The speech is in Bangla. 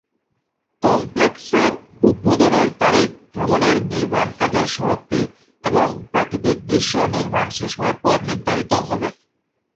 কমপ্লেক্সের উদ্বোধনের তারিখ ভবনের নির্মাণ কাজের সমাপ্তি এবং প্রাকৃতিক দৃশ্য নির্মাণ শেষ হওয়ার পর নির্ধারিত হবে।